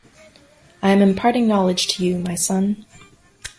I am imparting knowledge to you my son.